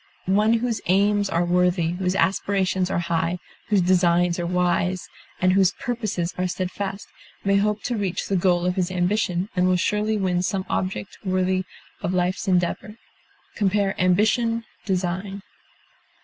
One whose aims are worthy, whose aspirations are high, whose designs are wise, and whose purposes are steadfast, may hope to reach the goal of his ambition, and will surely win some object worthy of a life's endeavor. Compare AMBITION; DESIGN.